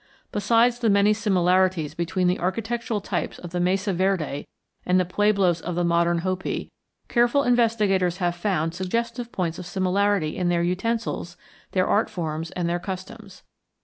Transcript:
Besides the many similarities between the architectural types of the Mesa Verde and the pueblos of the modern Hopi, careful investigators have found suggestive points of similarity in their utensils, their art forms, and their customs.